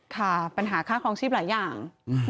ค่ะปัญหาค่าคลองชีพหลายอย่าง